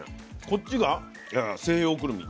こっちが西洋ぐるみ。